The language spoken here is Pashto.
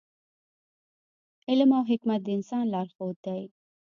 علم او حکمت د انسان لارښود دی.